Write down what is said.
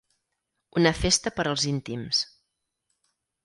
Una festa per als íntims.